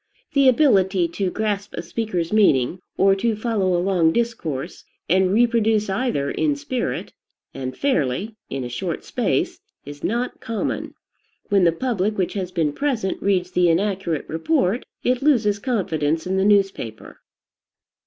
The ability to grasp a speaker's meaning, or to follow a long discourse, and reproduce either in spirit, and fairly, in a short space, is not common. When the public which has been present reads the inaccurate report, it loses confidence in the newspaper.